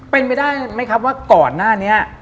เป็นไปได้ไหมครับว่าก่อนหน้านี้